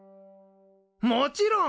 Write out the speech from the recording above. もちろん。